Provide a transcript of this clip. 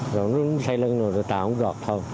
rồi nó xây lưng rồi tàu nó gọt thôi